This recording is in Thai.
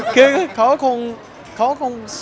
คือเขาคง